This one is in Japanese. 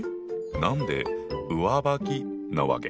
何で「上履き」なわけ？